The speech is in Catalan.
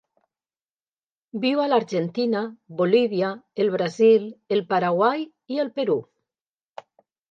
Viu a l'Argentina, Bolívia, el Brasil, el Paraguai i el Perú.